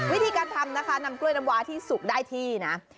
วิธีการทำนะคะนำกล้วยน้ำวาที่สุกได้ที่นะ